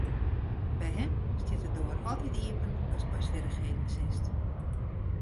By him stiet de doar altyd iepen ast mei swierrichheden sitst.